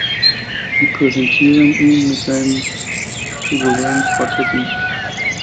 Sie präsentieren ihn mit seinen regulären Quartetten.